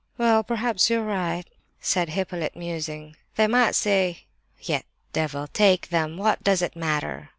"Well perhaps you're right," said Hippolyte, musing. "They might say—yet, devil take them! what does it matter?